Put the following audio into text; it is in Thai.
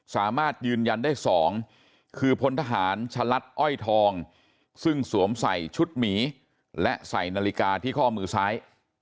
สามารถยืนยันได้๒คือพลทหารชะลัดอ้อยทองซึ่งสวมใส่ชุดหมีและใส่นาฬิกาที่ข้อมือซ้าย